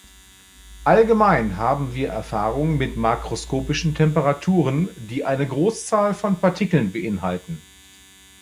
Allgemein haben wir Erfahrung mit makroskopischen Temperaturen, die eine Großzahl von Partikeln beinhalten.